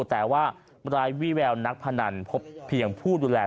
แต่ว่าไร้วี่แววนักพนันพบเพียงผู้ดูแล